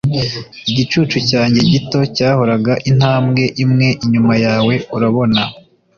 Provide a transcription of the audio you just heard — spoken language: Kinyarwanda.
igicucu cyanjye gito cyahoraga intambwe imwe inyuma yawe urabona